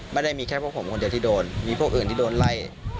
ไม่ได้มีแค่พวกผมคนเดียวที่โดนมีพวกอื่นที่โดนไล่